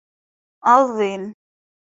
Alvin Ceccoli is of Sammarinese heritage.